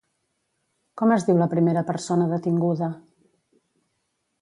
Com es diu la primera persona detinguda?